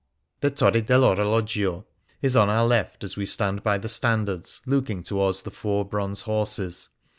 The Torre dell Orologio is on our left as we stand by the standards looking towards the four bronze horses.